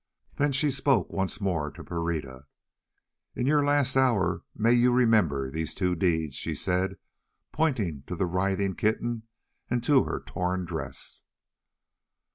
Then she spoke once more to Pereira. "In your last hour may you remember these two deeds!" she said, pointing to the writhing kitten and to her torn dress.